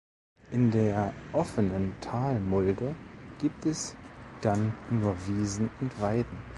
In der offenen Talmulde gibt es dann nur Wiesen und Weiden.